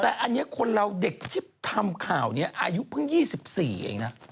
แต่อันนี้คนเราเด็กที่ทำข่าวนี้อายุเพิ่ง๒๔เองนะ